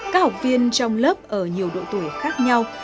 các học viên trong lớp ở nhiều độ tuổi khác nhau